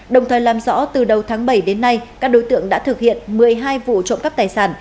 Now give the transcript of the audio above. đồng thời làm rõ từ đầu tháng bảy đến nay các đối tượng đã thực hiện một mươi hai vụ trộm cắp tài sản